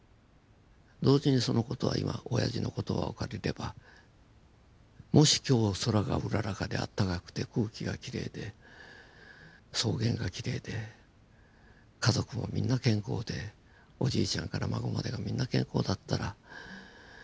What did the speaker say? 同時にその事は今おやじの言葉を借りればもし今日空がうららかで暖かくて空気がきれいで草原がきれいで家族もみんな健康でおじいちゃんから孫までがみんな健康だったらそしたらその草原に行って家族みんなで